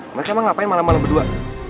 mereka emang ngapain malem malem berdua